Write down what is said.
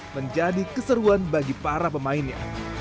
menjadi keseruan bagi para pemainnya